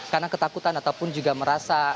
karena ketakutan ataupun juga merasa